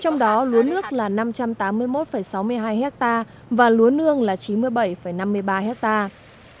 trong đó lúa nước là năm trăm tám mươi một sáu mươi hai hectare và lúa nương là chín mươi bảy năm mươi ba hectare